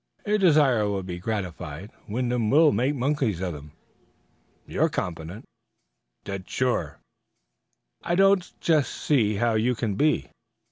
"Your desire will be gratified. Wyndham will make monkeys of them." "You're confident." "Dead sure." "I don't just see how you can be."